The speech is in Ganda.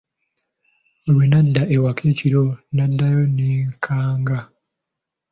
Lwe nadda awaka ekiro naddayo nneekanga.